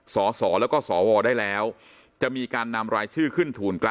สสแล้วก็สวได้แล้วจะมีการนำลายชื่อ